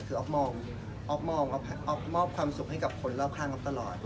คืออ๊อฟมอบความสุขให้กับคนรอบข้างตลอด